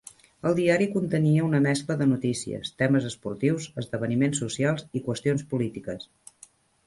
El diari contenia una mescla de noticies, temes esportius, esdeveniments socials i qüestions polítiques.